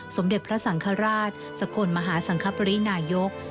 สมเด็จพระสังฆราชสกลมหาสังคปรินายก